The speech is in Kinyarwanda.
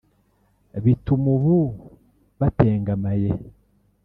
bituma ubu batengamaye